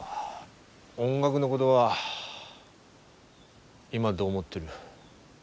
音楽のごどは今どう思ってる？